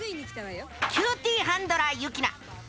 キューティーハンドラーユキナ。